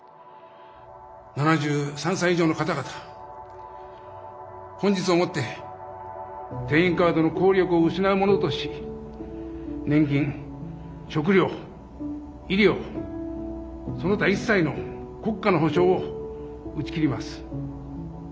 ７３歳以上の方々、本日をもって定員カードの効力を失うものとし年金食糧医療その他一切の国家の保障を打ち切ります。